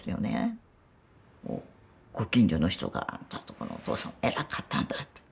ご近所の人が「あんたのとこのお父さんは偉かったんだ」と。